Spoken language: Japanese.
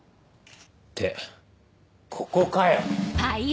ってここかよ！